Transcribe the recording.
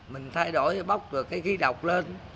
mình thay đổi bóc rồi cái khí độc lên